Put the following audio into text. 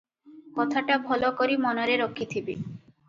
କଥାଟା ଭଲ କରି ମନରେ ରଖିଥିବେ ।